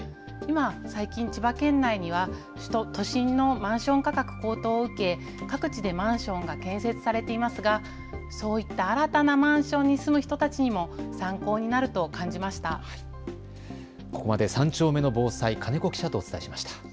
今、最近千葉県内には都心のマンション価格高騰を受け各地でマンションが建設されていますがそういった新たなマンションに住む人たちにも参考になると感じました。